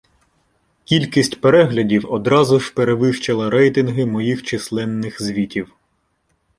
Кількість переглядів одразу ж перевищила рейтинги моїх численних звітів